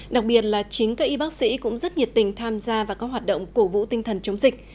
đặc biệt là chính các y bác sĩ cũng rất nhiệt tình tham gia vào các hoạt động cổ vũ tinh thần chống dịch